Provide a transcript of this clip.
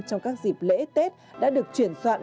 trong các dịp lễ tết đã được chuyển soạn